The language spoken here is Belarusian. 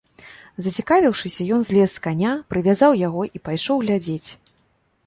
Зацікавіўшыся, ён злез з каня, прывязаў яго і пайшоў глядзець.